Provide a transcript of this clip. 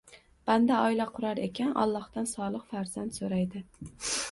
Banda oila qurar ekan, Allohdan solih farzand so‘raydi.